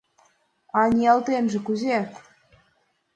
— А ниялтенже кузе?